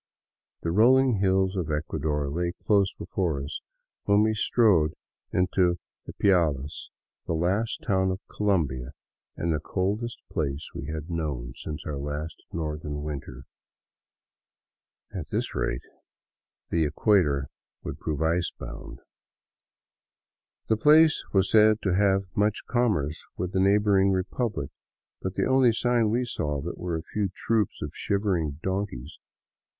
The rolling hills of Ecuador lay close before us when we strode into Ipiales, the last town of Colombia and the coldest place we had known since our last northern winter. At this rate the equator would prove ice bound. The place was said to have much commerce with the neighboring Republic, but the only signs we saw of it were a few troops of shivering donkeys.